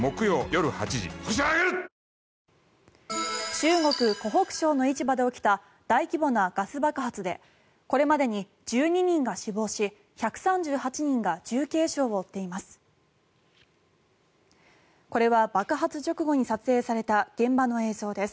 中国・湖北省の市場で起きた大規模なガス爆発でこれまでに１２人が死亡し１３８人が重軽傷を負っています。